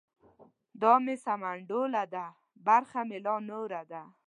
دا مې سمنډوله ده برخه مې لا نوره ده.